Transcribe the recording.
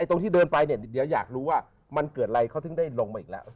ตรงที่เดินไปเนี่ยเดี๋ยวอยากรู้ว่ามันเกิดอะไรเขาถึงได้ลงมาอีกแล้ว